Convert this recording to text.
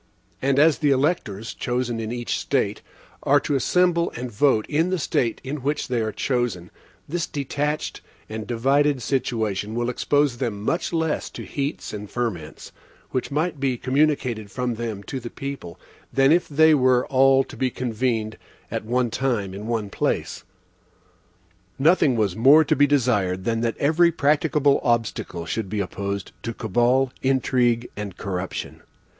And as the electors, chosen in each State, are to assemble and vote in the State in which they are chosen, this detached and divided situation will expose them much less to heats and ferments, which might be communicated from them to the people, than if they were all to be convened at one time, in one place. Nothing was more to be desired than that every practicable obstacle should be opposed to cabal, intrigue, and corruption.